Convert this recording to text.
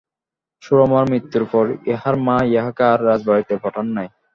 সুরমার মৃত্যুর পর ইহার মা ইহাকে আর রাজবাড়িতে পাঠান নাই।